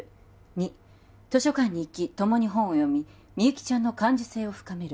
２図書館に行き共に本を読みみゆきちゃんの感受性を深める